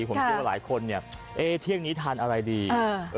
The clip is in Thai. ผมคิดว่าหลายคนเนี้ยเอ๊ะเที่ยงนี้ทานอะไรดีเออ